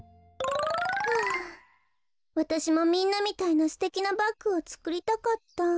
はあわたしもみんなみたいなすてきなバッグをつくりたかった。